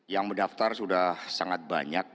yang mendaftar sudah sangat banyak